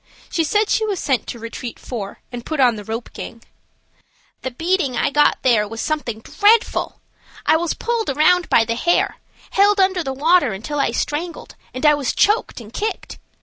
She said she was sent to Retreat 4, and put on the "rope gang." "The beating I got there were something dreadful. I was pulled around by the hair, held under the water until I strangled, and I was choked and kicked.